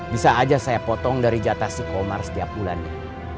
bisa aja saya potong dari jatah si komar setiap bulannya